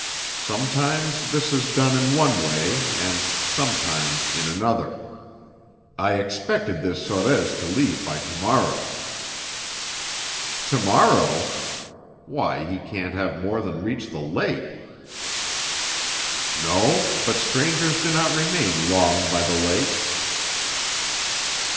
Sometimes this is done in one way and sometimes in another. I expected this Sorez to leave by to morrow." "To morrow? Why, he can't have more than reached the lake." "No, but strangers do not remain long by the lake."